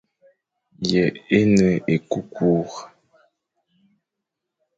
Yô e ne ékukur.